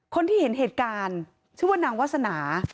คนที่เห็นเหตุการณ์ชื่อว่านางวาสนา